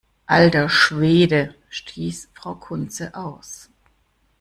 Alter Schwede!, stieß Frau Kunze aus.